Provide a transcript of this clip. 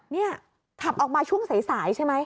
นี่ขับออกมาช่วงสายใช่ไหม